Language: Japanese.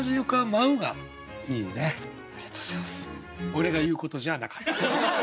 俺が言うことじゃあなかった。